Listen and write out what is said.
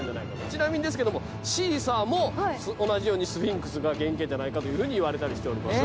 ちなみにですけどもシーサーも同じようにスフィンクスが原型じゃないかといわれたりしております。